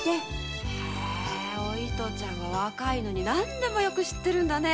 お糸ちゃんは若いのになんでも知ってるんだね。